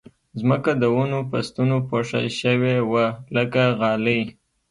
ځمکه د ونو په ستنو پوښل شوې وه لکه غالۍ